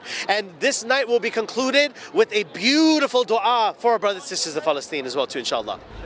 dan malam ini akan ditutupi dengan doa yang indah untuk saudara dan saudari kita di palestine juga